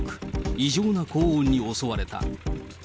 異常な高温に襲われた。